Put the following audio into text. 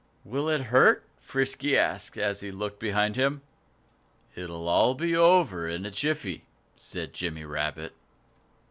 "Will it hurt?" Frisky asked, as he looked behind him. "It'll all be over in a jiffy," said Jimmy Rabbit.